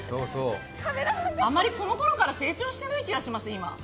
あまりこのころから成長してないですね。